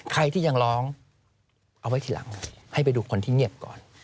ใครที่ยังร้องเอาไว้ทีหลังให้ไปดูคนที่เงียบก่อน